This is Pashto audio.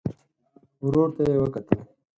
ورور ته يې وکتل.